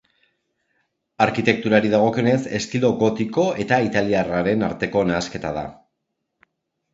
Arkitekturari dagokionez estilo gotiko eta italiarraren arteko nahasketa da.